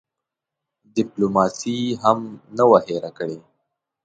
ډیپلوماسي هم نه وه هېره کړې.